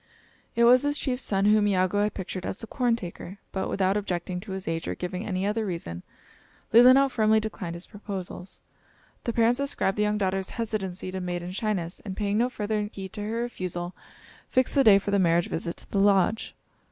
It was this chief's son whom Iagoo had pictured as the corn taker, but, without objecting to his age or giving any other reason, Leelinau firmly declined his proposals. The parents ascribed the young daughter's hesitancy to maiden shyness, and paying no further heed to her refusal, fixed a day for the marriage visit to the lodge.